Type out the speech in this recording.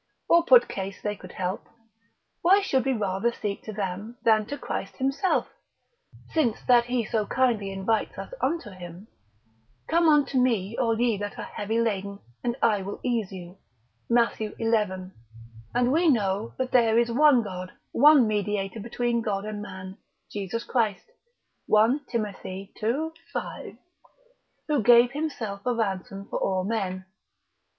or put case they could help, why should we rather seek to them, than to Christ himself, since that he so kindly invites us unto him, Come unto me all ye that are heavy laden, and I will ease you, Mat. xi. and we know that there is one God, one Mediator between God and man, Jesus Christ, (1 Tim. ii. 5) who gave himself a ransom for all men.